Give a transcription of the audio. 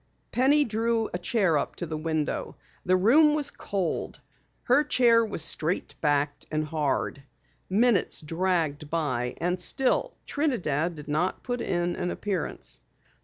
Penny drew a chair up to the window. The room was cold. Her chair was straight backed and hard. Minutes dragged by and still Trinidad did not put in an appearance.